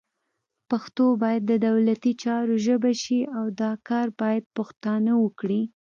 پښتو باید د دولتي چارو ژبه شي، او دا کار باید پښتانه وکړي